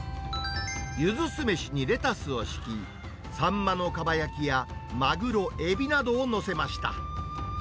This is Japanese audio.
ユズ酢飯にレタスを敷き、サンマの蒲焼きや、マグロ、エビなどを載せました。